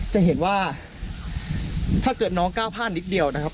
จะเห็นว่าถ้าเกิดน้องก้าวพลาดนิดเดียวนะครับ